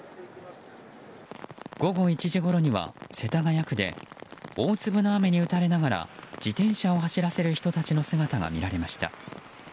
午後１時ごろには世田谷区で大粒の雨に打たれながら自転車を走らせる人たちの姿が見られました。